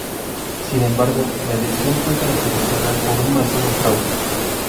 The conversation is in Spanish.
Sin embargo, la elección fue caracterizada por un masivo fraude.